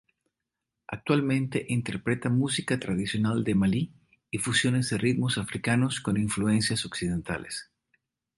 Actualmente interpreta música tradicional de Malí y fusiones de ritmos africanos con influencias occidentales.